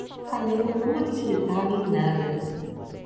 Camilo não acreditava em nada.